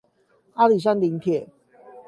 阿里山林鐵